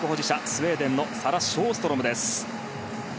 スウェーデンのサラ・ショーストロムです。